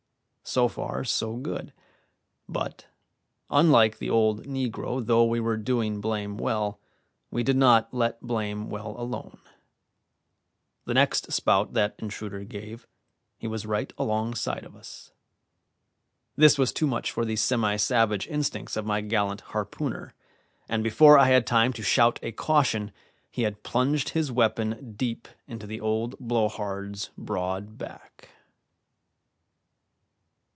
So far so good; but, unlike the old negro though we were "doin' blame well," we did not "let blame well alone." The next spout that intruder gave, he was right alongside of us. This was too much for the semi savage instincts of my gallant harpooner, and before I had time to shout a caution he had plunged his weapon deep into old Blowhard's broad back.